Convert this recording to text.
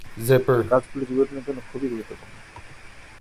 গাছগুলি জীবনের জন্য খুব গুরুত্বপূর্ণ।